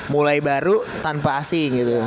mulai baru tanpa asing gitu